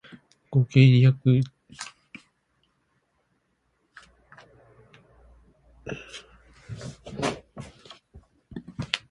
合計百二十枚もの空洞の表情を写していた